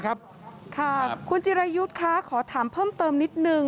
ค่ะคุณจิรายุทธ์คะขอถามเพิ่มเติมนิดนึง